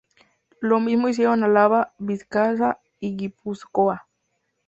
Lo mismo hicieron Álava, Vizcaya y Guipúzcoa.